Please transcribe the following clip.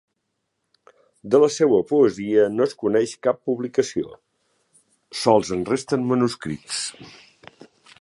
De la seva poesia no es coneix cap publicació, sols en resten manuscrits.